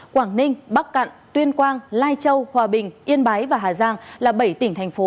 quảng ninh bắc cạn tuyên quang lai châu hòa bình yên bái và hà giang là bảy tỉnh thành phố